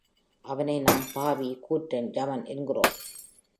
அவனை நாம் பாவி, கூற்றன், யமன் என்கிறோம்.